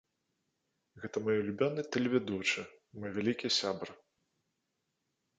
Гэта мой улюбёны тэлевядучы, мой вялікі сябар.